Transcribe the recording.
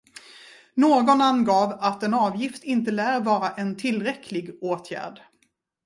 Någon angav att en avgift inte lär vara en tillräcklig åtgärd.